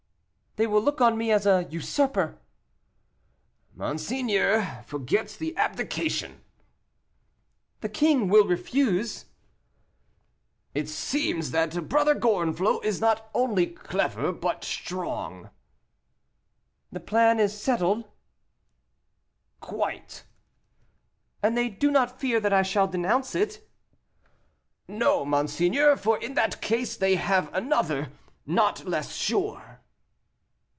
"They will look on me as a usurper." "Monseigneur forgets the abdication." "The king will refuse." "It seems that Brother Gorenflot is not only clever, but strong." "The plan is then settled?" "Quite." "And they do not fear that I shall denounce it?" "No, monseigneur; for in that case, they have another, not less sure."